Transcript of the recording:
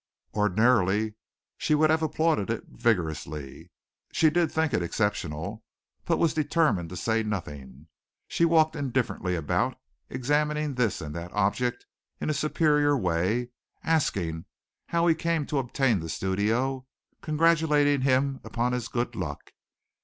Ordinarily she would have applauded it vigorously. She did think it exceptional, but was determined to say nothing. She walked indifferently about, examining this and that object in a superior way, asking how he came to obtain the studio, congratulating him upon his good luck.